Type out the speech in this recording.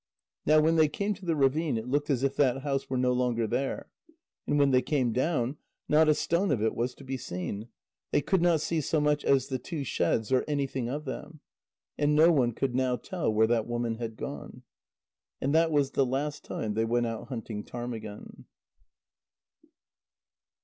Now when they came to the ravine, it looked as if that house were no longer there. And when they came down, not a stone of it was to be seen. They could not see so much as the two sheds or anything of them. And no one could now tell where that woman had gone. And that was the last time they went out hunting ptarmigan.